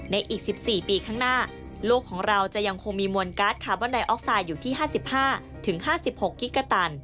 อีก๑๔ปีข้างหน้าโลกของเราจะยังคงมีมวลการ์ดคาร์บอนไดออกไซด์อยู่ที่๕๕๖กิกะตัน